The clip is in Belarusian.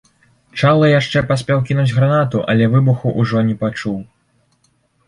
Чалы яшчэ паспеў кінуць гранату, але выбуху ўжо не пачуў.